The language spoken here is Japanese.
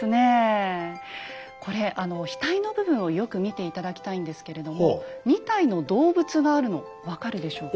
これ額の部分をよく見て頂きたいんですけれども２体の動物があるの分かるでしょうか？